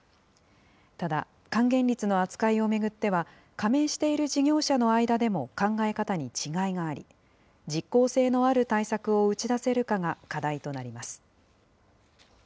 ただ、還元率の扱いを巡っては、加盟している事業者の間でも考え方に違いがあり、実効性のある対策を打ち出せるかが課題となります。